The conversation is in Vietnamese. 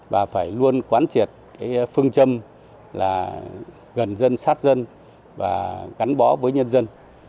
và phải luôn quán triệt cái phương châm là gần dân sát dân và gắn bó với nhân dân